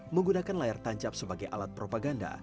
menggunakan layar tancap sebagai alat propaganda